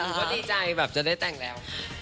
ว่าดีใจแบบจะได้แต่งแล้ว